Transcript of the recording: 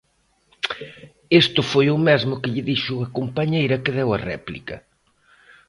Isto foi o mesmo que lle dixo a compañeira que deu a réplica.